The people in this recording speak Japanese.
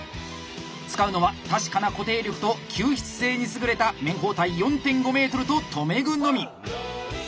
使うのは確かな固定力と吸湿性に優れた綿包帯４．５ｍと留め具のみ。